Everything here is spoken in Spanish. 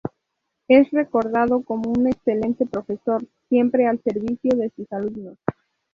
Es recordado como un excelente profesor, siempre al servicio de sus alumnos.